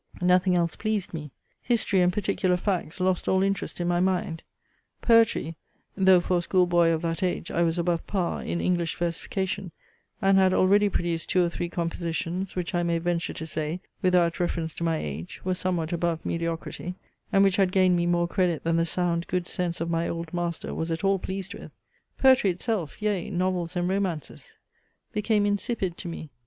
Nothing else pleased me. History, and particular facts, lost all interest in my mind. Poetry (though for a school boy of that age, I was above par in English versification, and had already produced two or three compositions which, I may venture to say, without reference to my age, were somewhat above mediocrity, and which had gained me more credit than the sound, good sense of my old master was at all pleased with,) poetry itself, yea, novels and romances, became insipid to me.